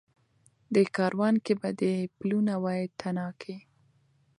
دې کاروان کي به دي پلونه وای تڼاکي